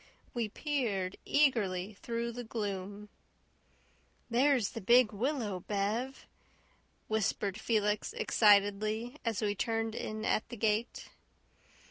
We peered eagerly through the gloom. "There's the big willow, Bev," whispered Felix excitedly, as we turned in at the gate.